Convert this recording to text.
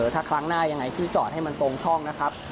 ถ้าครั้งหน้ายังไงพี่จอดให้มันตรงช่องนะครับ